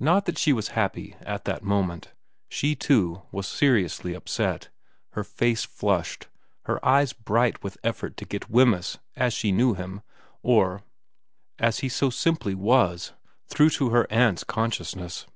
Not that she was happy at that moment ; she, too, was seriously upset, her face flushed, her eyes bright with effort to get Wemyss as she knew him, as he so simply was, through into her aunt's consciousness.